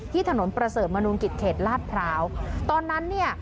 ถนนประเสริฐมนุนกิจเขตลาดพร้าวตอนนั้นเนี่ย